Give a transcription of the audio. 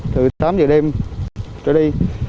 từ tám giờ đêm trở đi